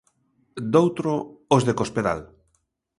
Doutro, os de Cospedal.